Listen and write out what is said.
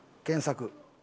検索。